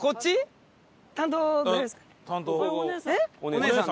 お姉さん。